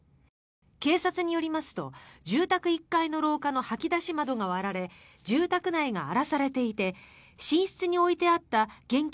警察によりますと住宅１階の廊下の掃き出し窓が割られ住宅内が荒らされていて寝室に置いてあった現金